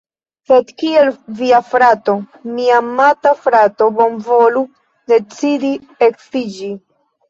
Sed kiel via frato, mi amata frato, bonvolu decidi edziĝi